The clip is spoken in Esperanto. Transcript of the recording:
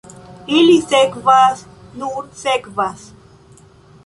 Ili sekvas, nur sekvas.